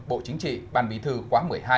bộ chính trị ban bí thư quá một mươi hai